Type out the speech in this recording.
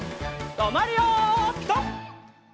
とまるよピタ！